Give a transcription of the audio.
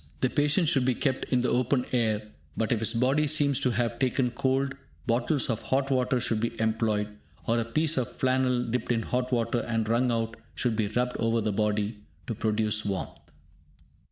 The patient should be kept in the open air, but if his body seems to have taken cold, bottles of hot water should be employed, or a piece of flannel dipped in hot water and wrung out should be rubbed over the body, to produce warmth.